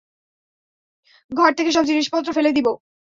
ঘর থেকে সব জিনিসপত্র ফেলে দিব?